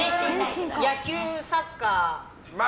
野球、サッカー。